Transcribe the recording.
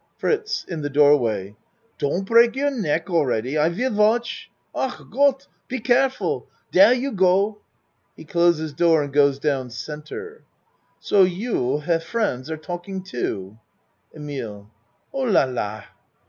FRITZ (In the door way.) Don't break your neck, all ready. I vill watch! Ach Got! Be care ful! Der you go. (He closes door and goes down C.) So you her friends are talking too. EMILE Oh la la